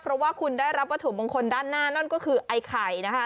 เพราะว่าคุณได้รับวัตถุมงคลด้านหน้านั่นก็คือไอ้ไข่นะคะ